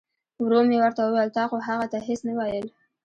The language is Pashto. ورو مې ورته وویل تا خو هغه ته هیڅ نه ویل.